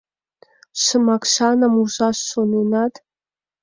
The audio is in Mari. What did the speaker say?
Шымакшаным ужаш шоненат?